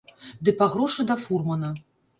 Ды па грошы да фурмана.